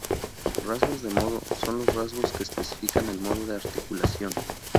Rasgos de modo: Son los rasgos que especifican el modo de articulación.